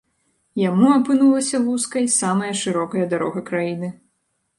Яму апынулася вузкай самая шырокая дарога краіны.